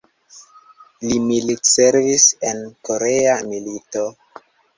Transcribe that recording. Li militservis en Korea milito.